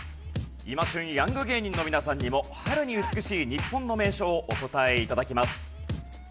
今旬ヤング芸人の皆さんにも春に美しい日本の名所をお答え頂きます。